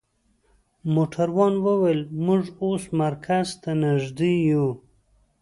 موټروان وویل: موږ اوس مرکز ته نژدې یو.